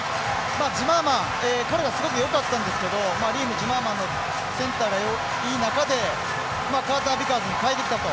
ジマーマン彼がすごくよかったんですけどジマーマンのセンターがいい中でカータービカーズに代えてきたと。